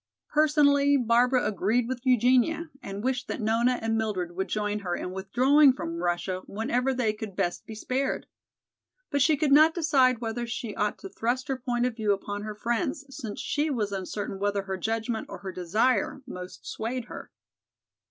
Personally Barbara agreed with Eugenia and wished that Nona and Mildred would join her in withdrawing from Russia whenever they could best be spared. But she could not decide whether she ought to thrust her point of view upon her friends since she was uncertain whether her judgment or her desire most swayed her.